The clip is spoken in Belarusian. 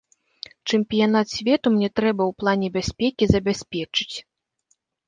Чэмпіянат свету мне трэба ў плане бяспекі забяспечыць.